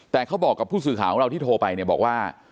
แต่เขาบอกกับผู้สื่อข่าวของเราที่โทรไปเนี่ยบอกว่า